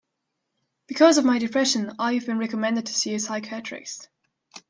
Because of my depression, I have been recommended to see a psychiatrist.